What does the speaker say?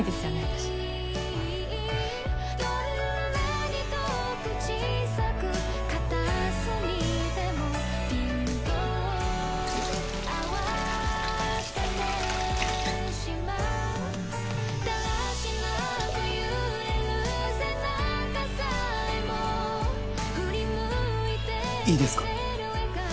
私いいですか？